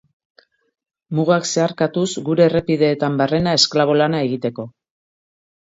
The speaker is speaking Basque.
Mugak zeharkatuz gure errepideetan barrena esklabo lana egiteko.